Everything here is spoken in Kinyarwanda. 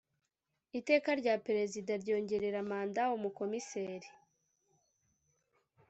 Iteka rya Perezida ryongerera manda Umukomiseri